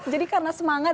jadi karena semangat